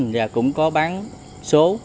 và cũng có bán số